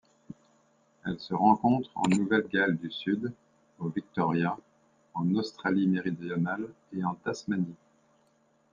Elle se rencontre en Nouvelle-Galles du Sud, au Victoria, en Australie-Méridionale et en Tasmanie,